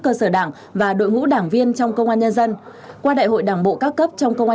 cơ sở đảng và đội ngũ đảng viên trong công an nhân dân qua đại hội đảng bộ các cấp trong công an